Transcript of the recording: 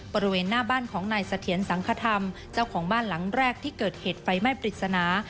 บริเวณหน้าบ้านของนายเสถียรสังคธรรมเจ้าของบ้านหลังแรกที่เกิดเหตุไฟไหม้ปริศนา